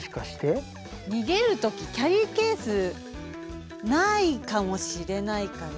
逃げる時キャリーケースないかもしれないから。